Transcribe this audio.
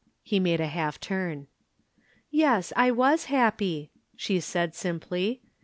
He made a half turn. "Yes, I was happy," she said simply.